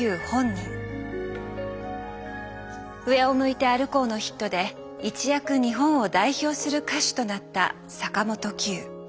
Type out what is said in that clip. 「上を向いて歩こう」のヒットで一躍日本を代表する歌手となった坂本九。